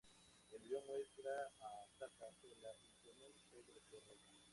El vídeo muestra a Tarja sola y con un pelo de color rojo.